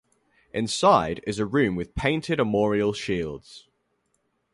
Inside is a room with painted armorial shields.